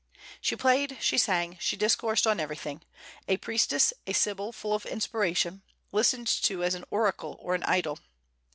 She played, she sang, she discoursed on everything, a priestess, a sibyl, full of inspiration, listened to as an oracle or an idol.